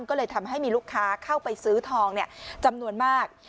ก็เลยทำให้มีลูกค้าเข้าไปซื้อทองจำนวนมาก